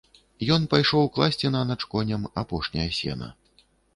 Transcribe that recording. Ён пайшоў класці нанач коням апошняе сена.